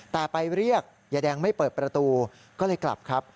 แต่ไปเรียกยายแดงไม่เปิดประตูก็เลยกลับครับ